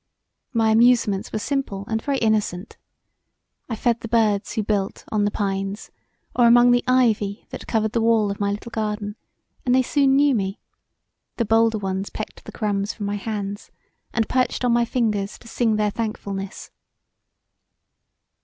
My amusements were simple and very innocent; I fed the birds who built on the pines or among the ivy that covered the wall of my little garden, and they soon knew me: the bolder ones pecked the crumbs from my hands and perched on my fingers to sing their thankfulness.